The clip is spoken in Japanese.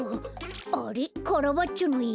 あれっカラバッチョのいえ？